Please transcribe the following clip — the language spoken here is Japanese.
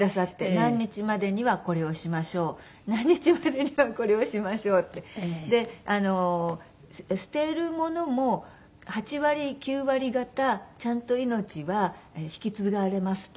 何日までにはこれをしましょう何日までにはこれをしましょうって。で捨てるものも８割９割方ちゃんと命は引き継がれますと。